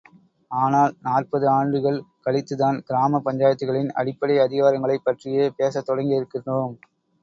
ஆனால் நாற்பது ஆண்டுகள் கழித்துத்தான் கிராம பஞ்சாயத்துக்களின் அடிப்படை அதிகாரங்களைப் பற்றியே பேசத் தொடங்கியிருக்கின்றோம்.